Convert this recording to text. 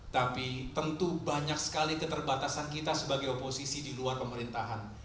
tapi tentu banyak sekali keterbatasan kita sebagai oposisi di luar pemerintahan